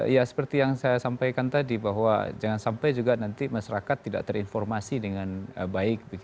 ya seperti yang saya sampaikan tadi bahwa jangan sampai juga nanti masyarakat tidak terinformasi dengan baik